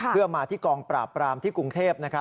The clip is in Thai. เพื่อมาที่กองปราบปรามที่กรุงเทพ